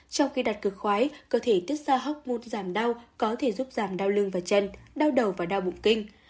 trong khi đặt cực khoái cơ thể tiết xa học môn giảm đau có thể giúp giảm đau lưng và chân đau đầu và đau bụng kinh